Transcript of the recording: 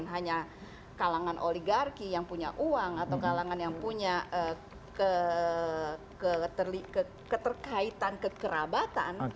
jadi kalau ada kalangan oligarki yang punya uang atau kalangan yang punya keterkaitan kekerabatan